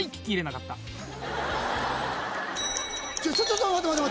ちょちょちょ待って待って。